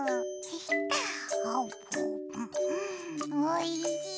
おいしい！